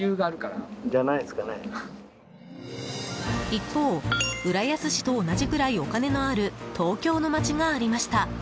一方浦安市と同じぐらいお金のある東京のまちがありました。